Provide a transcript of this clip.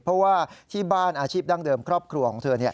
เพราะว่าที่บ้านอาชีพดั้งเดิมครอบครัวของเธอ